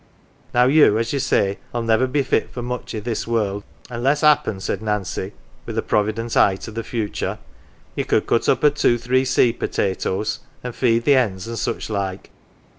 Now you, as ye say, '11 niver be fit for much f this world unless happen," said Nancy, with a provident eye to the future, "ye could cut up a two three seed potatoes, an' feed the hens, an' such like."